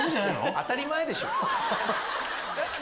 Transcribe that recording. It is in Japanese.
当たり前でしょ！